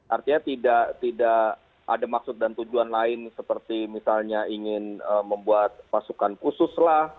artinya tidak ada maksud dan tujuan lain seperti misalnya ingin membuat pasukan khusus lah